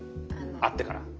会ってから？